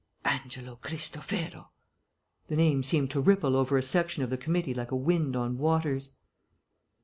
"Angelo Cristofero" the name seemed to ripple over a section of the committee like a wind on waters.